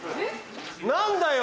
何だよ！